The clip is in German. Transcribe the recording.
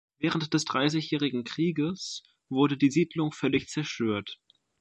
Während des Dreißigjährigen Krieges wurde die Siedlung völlig zerstört.